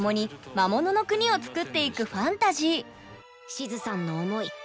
シズさんの思い